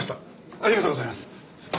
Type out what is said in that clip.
ありがとうございます。